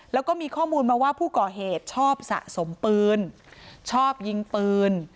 แล้วก็มีข้อมูลมาว่าผู้ก่อเหตุชอบสะสมปืนชอบยิงปืน